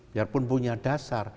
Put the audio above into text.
biarpun punya dasar